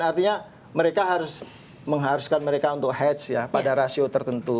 artinya mereka harus mengharuskan mereka untuk hetch ya pada rasio tertentu